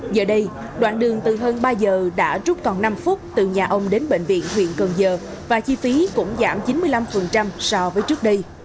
giờ đây đoạn đường từ hơn ba giờ đã rút còn năm phút từ nhà ông đến bệnh viện huyện cần giờ và chi phí cũng giảm chín mươi năm so với trước đây